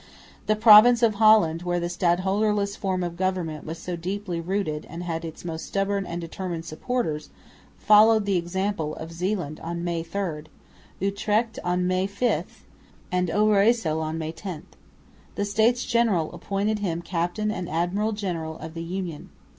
The province of Holland, where the stadholderless form of government was so deeply rooted and had its most stubborn and determined supporters, followed the example of Zeeland on May 3, Utrecht on May 5, and Overyssel on May 10. The States General appointed him captain and admiral general of the Union.